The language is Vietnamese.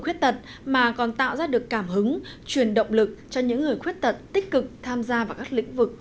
khuyết tật mà còn tạo ra được cảm hứng truyền động lực cho những người khuyết tật tích cực tham gia vào các lĩnh vực